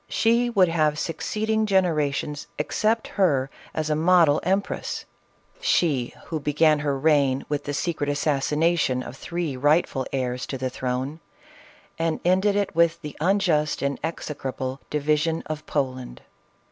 She would have succeeding generations accept her as a model empress !— she who began her reign 17* 394 CATHERINE OF RUSSIA. with the secret assassination of the three rightful heirs to the throne, and ended it, with the unjust and exe crable division of Poland.